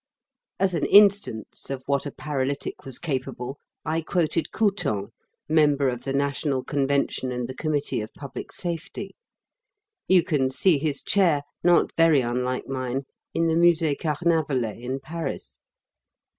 As an instance of what a paralytic was capable I quoted Couthon, member of the National Convention and the Committee of Public Safety. You can see his chair, not very unlike mine, in the Musee Carnavalet in Paris.